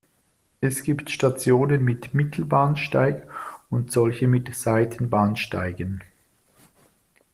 Es gibt Stationen mit Mittelbahnsteig und solche mit Seitenbahnsteigen.